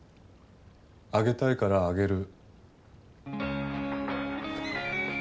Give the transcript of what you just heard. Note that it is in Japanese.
上げたいから上げる。